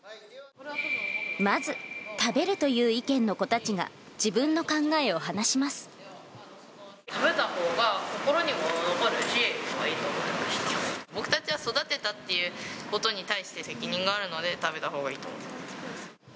まず、食べるという意見も子たちが、食べたほうがこころにも残る僕たちは育てたっていうことに対する責任があるので、食べたほうがいいと思います。